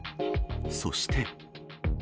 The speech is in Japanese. そして。